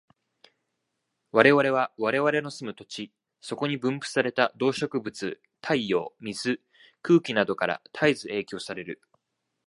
我々は我々の住む土地、そこに分布された動植物、太陽、水、空気等から絶えず影響される。